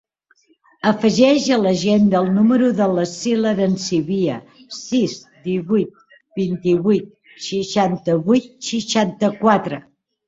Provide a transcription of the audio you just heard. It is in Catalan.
Afegeix a l'agenda el número de l'Assil Arencibia: sis, divuit, vint-i-vuit, seixanta-vuit, seixanta-quatre.